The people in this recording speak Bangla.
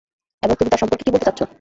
এবং তুমি তার সমপর্কে কি বলতে চাচ্ছ?